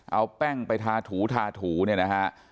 เอาแป้งไปทาถูทาถูเนี่ยนะฮะ